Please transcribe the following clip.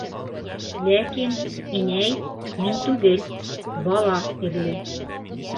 Ләкин, инәй, мин түгел, бала сирле!